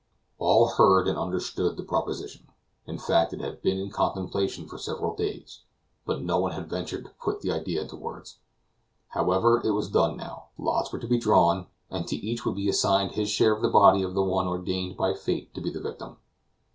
All heard and understood the proposition; in fact it had been in contemplation for several days, but no one had ventured to put the idea into words. However, it was done now; lots were to be drawn, and to each would be assigned his share of the body of the one ordained by fate to be the victim.